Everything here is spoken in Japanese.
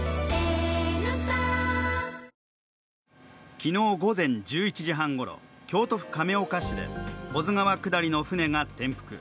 昨日午前１１時半ごろ、京都府亀岡市で保津川下りの舟が転覆。